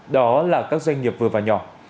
đó là các doanh nghiệp vừa và nhỏ